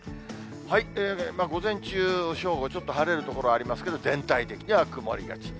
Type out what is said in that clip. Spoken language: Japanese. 午前中、正午、ちょっと晴れる所ありますけれども、全体的には曇りがち。